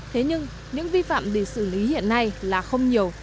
thế nhưng những vi phạm để xử lý hiện nay là không nhiều